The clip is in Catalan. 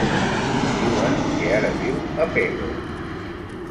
Diuen que ara viu a Pego.